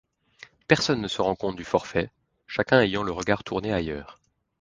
Personne ne se rend compte du forfait, chacun ayant le regard tourné ailleurs.